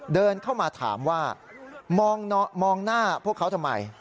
เดินเข้ามาถามว่ามองหน้าพวกเขาทำไม